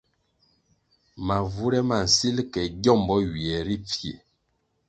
Mavure ma nsil ke giómbò ywiè ri pfie.